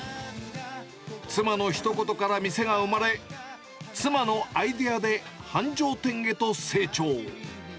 妻のひと言から店が生まれ、妻のアイデアで繁盛店へと成長。